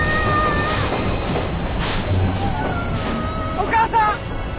お母さん！